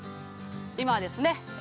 今はですね